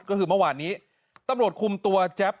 ก็คือเมื่อวานนี้ตำรวจคุมตัวแจ๊บ